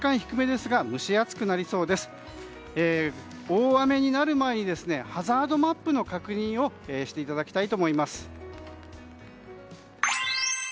大雨になる前にハザードマップの確認をしていただきたいと思います。